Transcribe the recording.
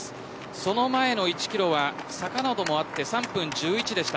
その前の１キロは坂などもあって３分１１でした。